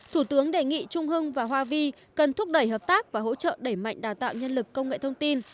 thủ tướng đề nghị trung hưng và hoa vi cần thúc đẩy hợp tác và hỗ trợ đẩy mạnh đào tạo nhân lực công nghệ thông tin